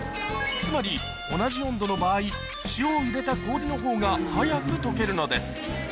つまり同じ温度の場合塩を入れた氷のほうが早く解けるのです